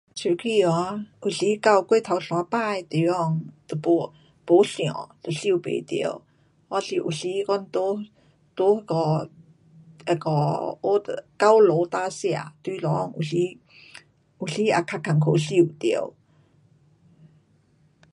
手机哦，有时到过头山芭的地方就没，没线。都收不到。还是有时我在，在那个，那个高楼大厦中间，有时，有时也较困苦收到。